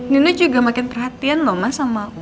nino juga makin perhatian lho ma sama aku